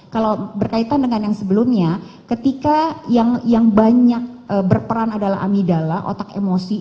kalau berkaitan dengan yang sebelumnya ketika yang banyak berperan adalah amidala otak emosi